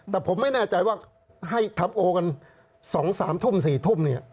แต่ผมไม่แน่ใจว่าให้ทำโอกัน๒๓ทุ่ม๔ทุ่มเนี่ย